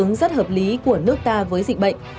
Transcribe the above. đó là những ý ứng rất hợp lý của nước ta với dịch bệnh